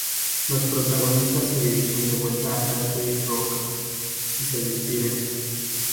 Los protagonistas se dirigen de vuelta a Castle Rock y se despiden.